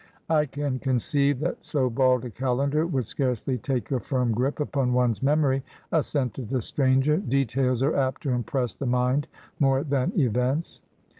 'lean conceive that so li.dd u calendar would scarcely tnke a firm grip upon one's memory,' as.seuted the stranger. ' Details are apt to impress the mind more than events.'